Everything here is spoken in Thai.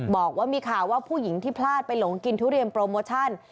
บอกว่ามีข่าวว่าผู้หญิงที่พลาดไปหลงกินทุเรียนโปรโมชั่น